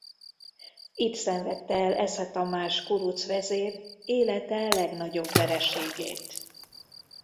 Itt szenvedte el Esze Tamás kuruc vezér élete legnagyobb vereségét.